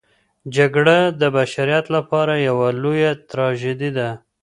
جګړه د بشریت لپاره یوه لویه تراژیدي ده.